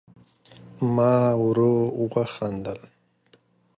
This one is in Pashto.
ما ورو وخندل